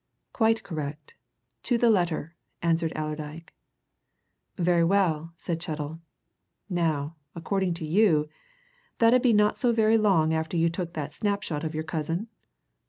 "Quite correct to the letter," answered Allerdyke. "Very well," said Chettle. "Now, according to you, that 'ud be not so very long after you took that snapshot of your cousin?